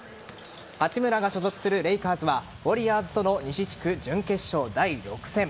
八村が所属するレイカーズはウォリアーズとの西地区準決勝第６戦。